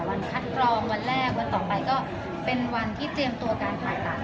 คัดกรองวันแรกวันต่อไปก็เป็นวันที่เตรียมตัวการผ่าตัด